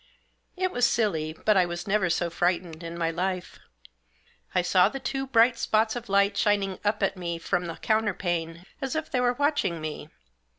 It was silly, but I was never so frightened in my life. I saw the two bright spots of light shining up at me from the counterpane as if they were watching me.